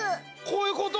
こういうこと？